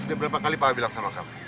sudah berapa kali pak bilang sama kamu